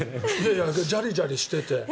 いやジャリジャリしてて。